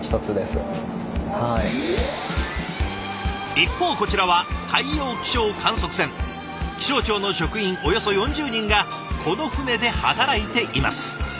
一方こちらは気象庁の職員およそ４０人がこの船で働いています。